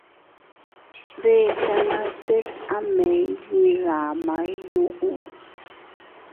Deʼchanas tet a mee iydidamay nuu.